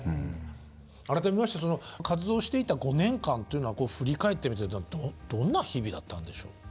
改めまして活動していた５年間というのは振り返ってみてどんな日々だったんでしょう？